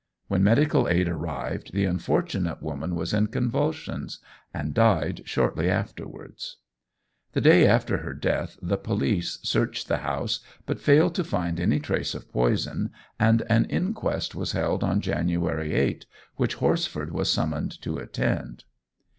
When medical aid arrived, the unfortunate woman was in convulsions and died shortly afterwards. The day after her death the police searched the house, but failed to find any trace of poison, and an inquest was held on January 8, which Horsford was summoned to attend.